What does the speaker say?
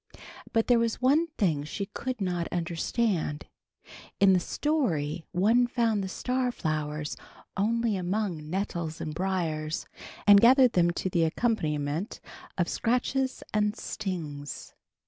But there was one thing she could not understand. In the story, one found the star flowers only among nettles and briars, and gathered them to the accompaniment of scratches and stings.